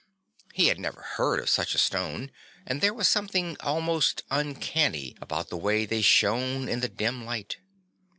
He had never heard of such a stone and there was something almost uncanny about the way they shone in the dim light.